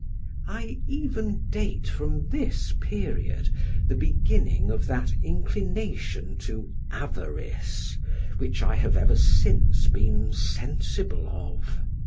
I even date from this period the beginning of that inclination to avarice which I have ever since been sensible of.